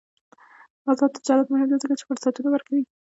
آزاد تجارت مهم دی ځکه چې فرصتونه ورکوي.